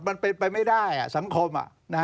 มันไปไม่ได้สังคม